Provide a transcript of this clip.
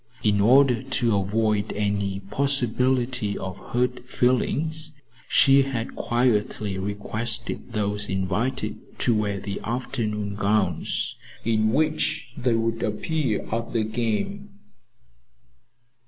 In order to avoid any possibility of hurt feelings, she had quietly requested those invited to wear the afternoon gowns in which they would appear at the game.